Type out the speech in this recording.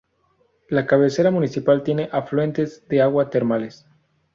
La cabecera municipal tiene afluentes de agua termales.